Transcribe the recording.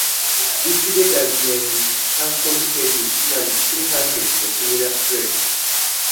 These predators may have competed with humans who hunted for similar prey.